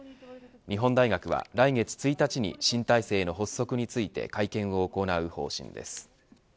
日本大学は来月１日に新体制の発足について会見を行う方針です。